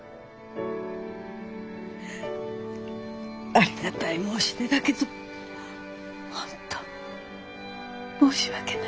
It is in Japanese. ありがたい申し出だけど本当申し訳ないけど。